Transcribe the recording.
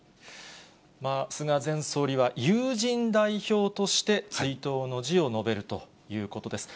菅前総理は、友人代表として追悼の辞を述べるということです。